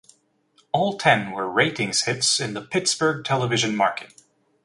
All ten were ratings hits in the Pittsburgh television market.